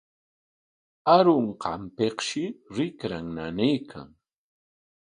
Arunqanpikshi rikran nanaykan.